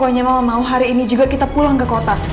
pokoknya mau hari ini juga kita pulang ke kota